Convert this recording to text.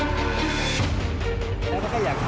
มันก็ยังอยากถามว่าทำไมต้องเป็นลูกของด้วย